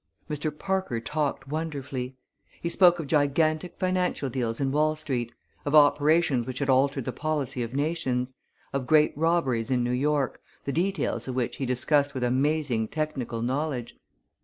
Mr. Parker talked wonderfully. He spoke of gigantic financial deals in Wall Street; of operations which had altered the policy of nations; of great robberies in New York, the details of which he discussed with amazing technical knowledge.